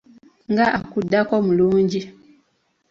Nga akuddako mulungi.